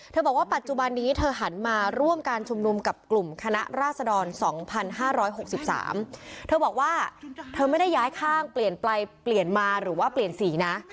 เธอบอกว่าปัจจุบันนี้เธอหันมาร่วมการชุมนุมกับกลุ่มคณะราษฎรสองพันห้าร้อยหกสิบสามเธอบอกว่าเธอไม่ได้ย้ายข้างเปลี่ยนปลายเปลี่ยนมาหรือว่าเปลี่ยนสีนะ